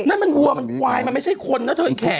นั่นมันวัวมันควายมันไม่ใช่คนนะเธออีกแข